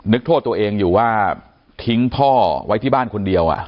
โทษตัวเองอยู่ว่าทิ้งพ่อไว้ที่บ้านคนเดียว